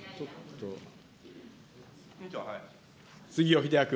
杉尾秀哉君。